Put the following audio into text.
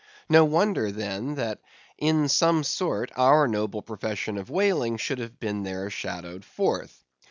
No wonder then, that in some sort our noble profession of whaling should have been there shadowed forth.